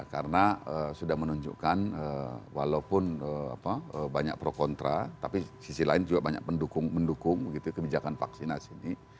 karena sudah menunjukkan walaupun banyak pro kontra tapi sisi lain juga banyak pendukung pendukung kebijakan vaksinasi ini